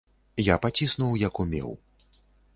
Я паціснуў, як умеў.